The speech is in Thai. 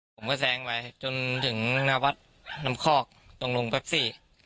ผมก็แซงไปจนถึงหน้าวัดน้ำคอกตรงลุงแป๊บซี่